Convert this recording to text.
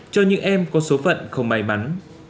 cho những em có số phận không may mắn